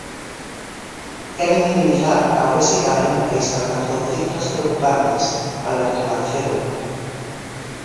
Queren minimizar a obesidade no país que alcanzou cifras preocupantes, Alberto Mancebo.